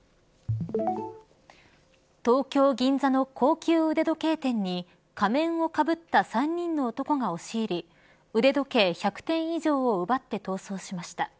東京、銀座の高級腕時計店に仮面をかぶった３人の男が押し入り腕時計１００点以上を奪って逃走しました。